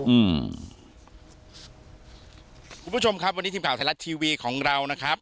คุณผู้ชมครับวันนี้ทีมข่าวไทยรัฐทีวีของเรานะครับ